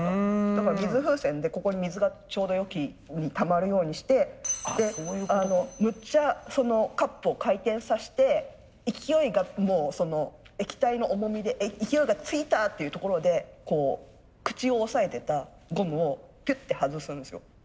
だから水風船でここに水がちょうどよきにたまるようにしてむっちゃそのカップを回転させて勢いが液体の重みで勢いがついたっていうところで口を押さえてたゴムをピュッて外すんですよ。